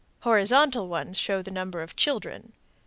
Horizontal ones show the number of children.